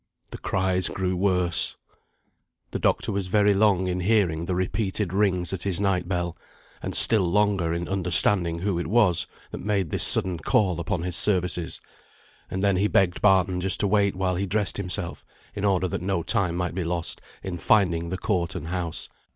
The cries grew worse. The doctor was very long in hearing the repeated rings at his night bell, and still longer in understanding who it was that made this sudden call upon his services; and then he begged Barton just to wait while he dressed himself, in order that no time might be lost in finding the court and house.